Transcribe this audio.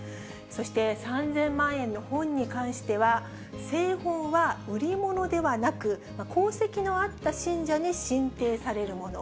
そして、３０００万円の本に関しては、聖本は売り物ではなく、功績のあった信者に進呈されるもの。